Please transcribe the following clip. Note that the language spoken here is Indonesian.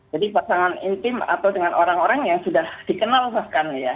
jadi pasangan intim atau dengan orang orang yang sudah dikenal bahkan ya